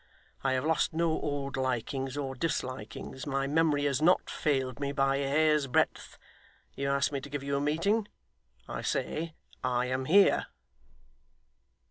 I have lost no old likings or dislikings; my memory has not failed me by a hair's breadth. You ask me to give you a meeting. I say, I am here.